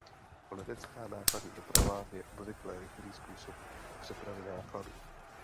Letecká nákladní doprava je obvykle rychlý způsob přepravy nákladu.